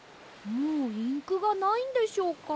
もうインクがないんでしょうか？